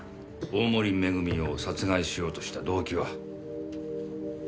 大森恵を殺害しようとした動機は？